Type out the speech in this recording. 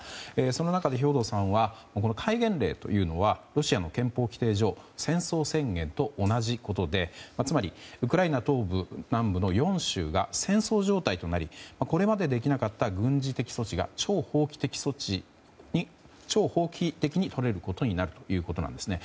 その中で、兵頭さんはこの戒厳令というのはロシアの憲法規定上戦争宣言と同じことで、つまりウクライナ東部、南部の４州が戦争状態となりこれまでできなかった軍事的措置が超法規的にとれることになるということなんですね。